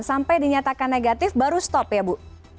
sampai dinyatakan negatif baru stop ya bu